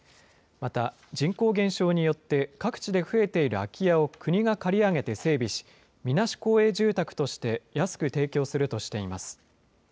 また、人口減少によって、各地で増えている空き家を国が借り上げて整備し、みなし公営住宅として安く提供するとしています。